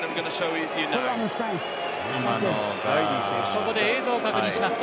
ここで映像を確認します。